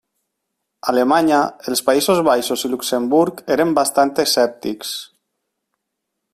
Alemanya, els Països Baixos i Luxemburg eren bastant escèptics.